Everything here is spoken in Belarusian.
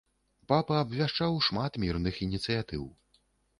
Папа абвяшчаў шмат мірных ініцыятыў.